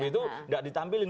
itu nggak ditampilin